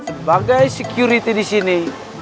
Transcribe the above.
sebagai security disini